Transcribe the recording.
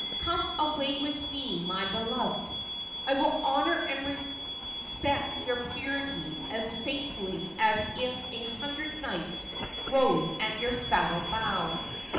Come away with me, my beloved. I will honour and respect your purity as faith fully as if a hundred knights rode at your saddle bow.